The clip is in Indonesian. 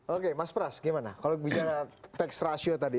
oke mas pras gimana kalau bicara tax ratio tadi